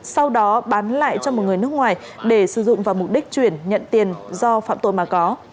sau đó bán lại cho một người nước ngoài để sử dụng vào mục đích chuyển nhận tiền do phạm tội mà có